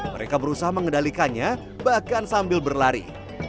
mereka berusaha mengendalikannya bahkan sambil berlari